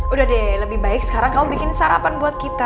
udah deh lebih baik sekarang kamu bikin sarapan buat kita